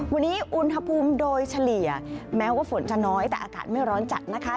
วันนี้อุณหภูมิโดยเฉลี่ยแม้ว่าฝนจะน้อยแต่อากาศไม่ร้อนจัดนะคะ